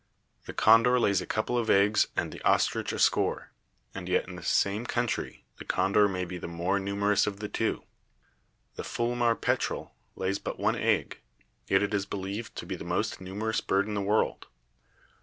The con dor lays a couple of eggs and the ostrich a score, and yet in the same country the condor may be the more numerous of the two; the Fulmar petrel lays but one egg, yet it is believed to be the most numerous bird in the world.